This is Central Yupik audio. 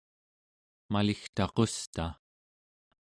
maligtaqusta